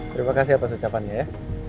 terima kasih atas ucapannya ya